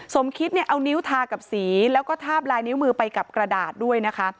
สมคิดเนี่ยเอานิ้วทากับสีแล้วก็ทาบลายนิ้วมือไปกับกระดาษด้วยนะคะ